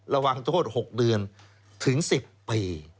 ระวังโทษ๖เดือนถึง๑๐ปี